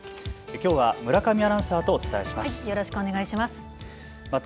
きょうは村上アナウンサーとお伝えします。